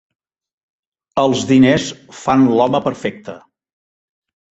Els diners fan l'home perfecte.